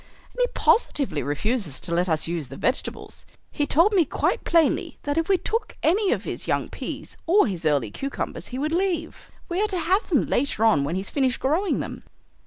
And he positively refuses to let us use the vegetables. He told me quite plainly that if we took any of his young peas or his early cucumbers he would leave. We are to have them later on when he's finished growing them."